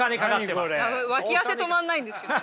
脇汗止まんないんですけど。